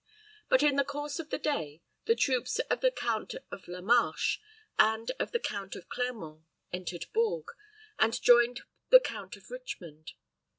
But in the course of the day, the troops of the Count of La Marche and of the Count of Clermont entered Bourges, and joined the Count of Richmond.